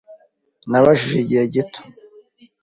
Nabajije igihe gito.